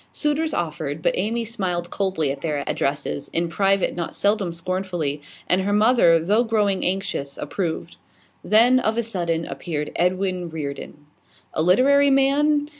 Suitors offered, but Amy smiled coldly at their addresses, in private not seldom scornfully, and her mother, though growing anxious, approved. Then of a sudden appeared Edwin Reardon. A literary man?